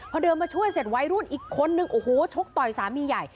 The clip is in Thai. พอเดินมาช่วยเสร็จวัยรุ่นอีกคนนึงโอ้โหชกต่อยสามีใหญ่